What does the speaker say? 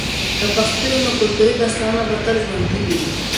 که پښتو وي، نو کلتوري داستانونه به تل ژوندۍ وي.